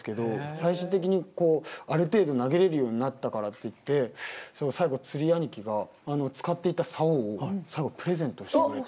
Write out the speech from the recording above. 最終的にある程度投げれるようになったからっていって最後釣り兄貴が使っていたサオを最後プレゼントしてくれて。